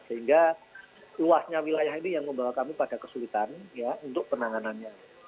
sehingga luasnya wilayah ini yang membawa kami pada kesulitan untuk penanganannya